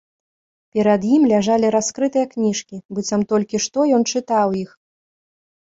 Перад ім ляжалі раскрытыя кніжкі, быццам толькі што ён чытаў іх.